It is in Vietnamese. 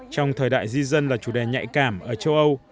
trong thời đại di dân là chủ đề nhạy cảm ở châu âu